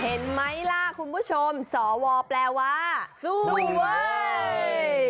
เห็นไหมล่ะคุณผู้ชมสวแปลว่าสู้เว้ย